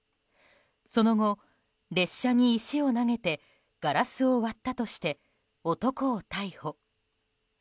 その後、列車に石を投げてガラスを割ったとして男を逮捕。